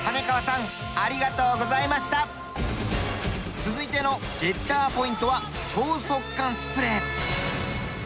続いてのゲッターポイントは超速乾スプレー。